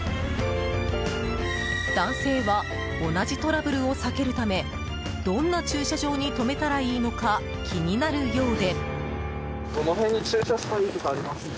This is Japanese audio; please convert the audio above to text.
男性は同じトラブルを避けるためどんな駐車場に止めたらいいのか気になるようで。